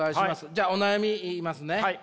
じゃお悩み言いますね。